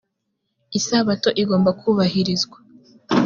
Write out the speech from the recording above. isabato igomba kubahirizwa.